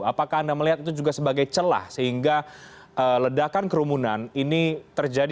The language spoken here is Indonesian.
apakah anda melihat itu juga sebagai celah sehingga ledakan kerumunan ini terjadi